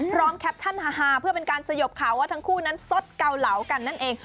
แคปชั่นฮาเพื่อเป็นการสยบข่าวว่าทั้งคู่นั้นสดเกาเหลากันนั่นเอง